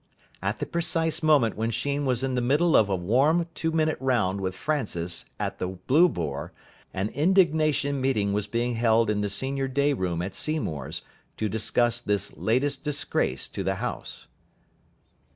At the precise moment when Sheen was in the middle of a warm two minute round with Francis at the "Blue Boar," an indignation meeting was being held in the senior day room at Seymour's to discuss this latest disgrace to the house.